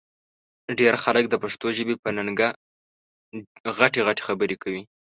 ډېر خلک د پښتو ژبې په ننګه غټې غټې خبرې کوي